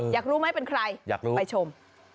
อยากรู้มั้ยเป็นใครไปชม